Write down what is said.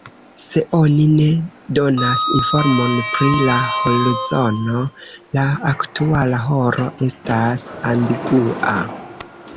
Se oni ne donas informon pri la horzono, la aktuala horo estas ambigua.